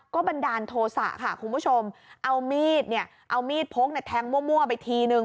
ก็บันดาลโทษะค่ะคุณผู้ชมเอามีดเนี่ยเอามีดพกเนี่ยแทงมั่วไปทีนึง